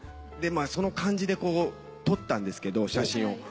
でまあその感じで撮ったんですけど写真を。